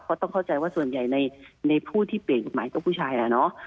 เพราะต้องเข้าใจว่าส่วนใหญ่ในผู้ที่เปลี่ยนกฎหมายก็ผู้ชายแหละเนาะ